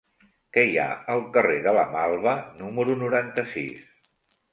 Què hi ha al carrer de la Malva número noranta-sis?